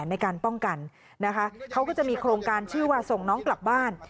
นะคะเขาก็จะมีโครงการชื่อว่าส่งน้องกลับบ้าน